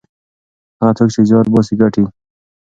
هغه څوک چې زیار باسي ګټي.